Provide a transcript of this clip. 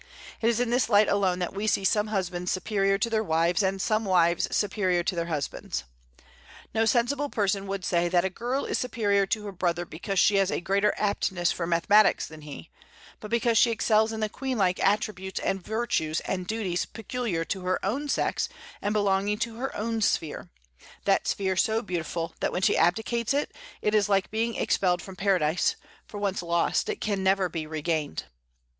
It is in this light alone that we see some husbands superior to their wives, and some wives superior to their husbands. No sensible person would say that a girl is superior to her brother because she has a greater aptness for mathematics than he, but because she excels in the queen like attributes and virtues and duties peculiar to her own sex and belonging to her own sphere, that sphere so beautiful, that when she abdicates it, it is like being expelled from Paradise; for, once lost, it can never be regained.